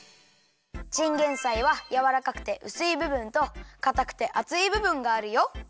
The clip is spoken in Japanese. チンゲンサイはやわらかくてうすいぶぶんとかたくてあついぶぶんがあるよ。